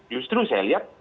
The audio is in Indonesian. justru saya lihat